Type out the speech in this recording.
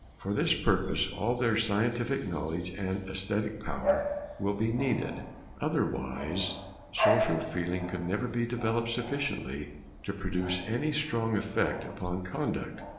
For this purpose all their scientific knowledge and esthetic power will be needed, otherwise social feeling could never be developed sufficiently to produce any strong effect upon conduct.